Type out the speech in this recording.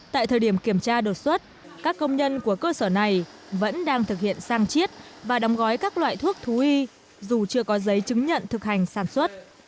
tại thời điểm kiểm tra đột xuất các công nhân của cơ sở này vẫn đang thực hiện sang chiết và đóng gói các loại thuốc thú y dù chưa có giấy chứng nhận thực hành sản xuất